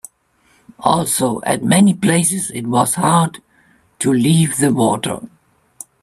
Also, at many places it was hard to leave the water.